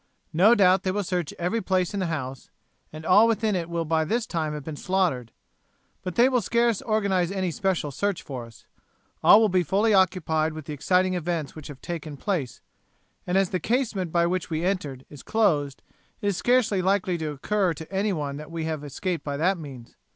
No doubt they will search every place in the house, and all within it will by this time have been slaughtered. But they will scarce organize any special search for us. All will be fully occupied with the exciting events which have taken place, and as the casement by which we entered is closed it is scarcely likely to occur to any one that we have escaped by that means.